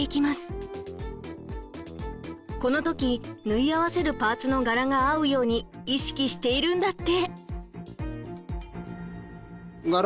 この時縫い合わせるパーツの柄が合うように意識しているんだって。